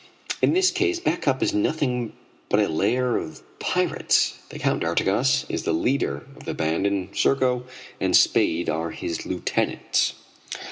In this case Back Cup is nothing but a lair of pirates, the Count d'Artigas is the leader of the band and Serko and Spade are his lieutenants.